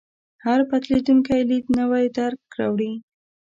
هر بدلېدونکی لید نوی درک راوړي.